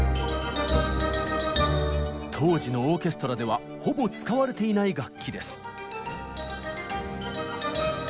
当時のオーケストラではほぼ使われていない楽器です。